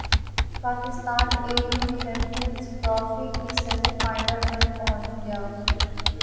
Pakistan Asian champions trophy کے semi final میں پہنچ گیا